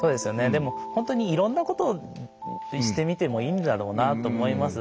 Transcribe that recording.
でも本当にいろんなことをしてみてもいいんだろうなと思います。